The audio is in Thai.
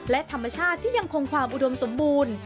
และธรรมชาติที่ยังคงคล้มกัน